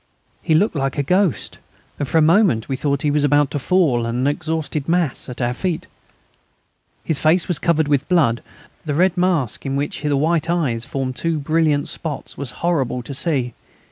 He looked like a ghost, and for a moment we thought he was about to fall, an exhausted mass, at our feet. His face was covered with blood. The red mask in which the white of the eyes formed two brilliant spots was horrible to see.